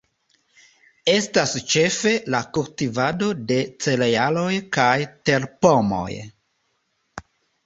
Estas ĉefe la kultivado de cerealoj kaj terpomoj.